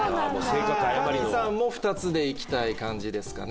谷さんも２つでいきたい感じですかね？